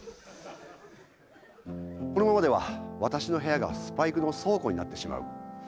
「このままでは私の部屋がスパイクの倉庫になってしまう」。